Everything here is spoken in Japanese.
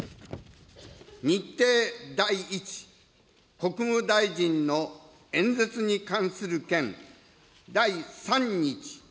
日程第１、国務大臣の演説に関する件、第３日。